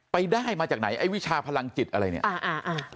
ได้มาจากไหนไอ้วิชาพลังจิตอะไรเนี่ย